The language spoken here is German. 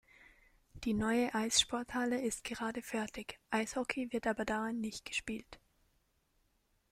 Die neue Eissporthalle ist gerade fertig, Eishockey wird aber darin nicht gespielt.